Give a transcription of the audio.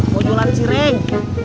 mau jualan siring